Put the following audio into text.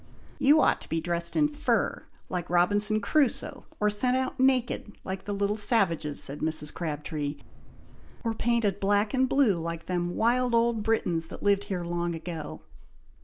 "You ought to be dressed in fur, like Robinson Crusoe, or sent out naked, like the little savages," said Mrs. Crabtree, "or painted black and blue like them wild old Britons that lived here long ago!"